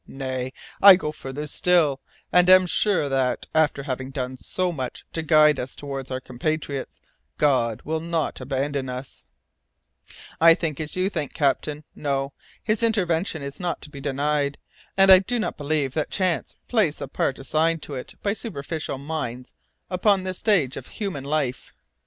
Nay, I go farther still, and am sure that, after having done so much to guide us towards our compatriots, God will not abandon us " "I think as you think, captain. No, His intervention is not to be denied, and I do not believe that chance plays the part assigned to it by superficial minds upon the stage of human life.